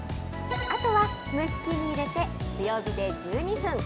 あとは蒸し器に入れて、強火で１２分。